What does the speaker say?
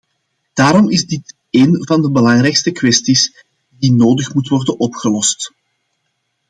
Daarom is dit een van de belangrijkste kwesties die nodig moeten worden opgelost.